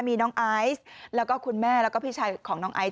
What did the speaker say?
มีน้องไอซ์แล้วก็คุณแม่แล้วก็พี่ชายของน้องไอซ